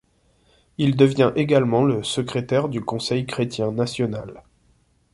Il devient également le secrétaire du conseil chrétien national.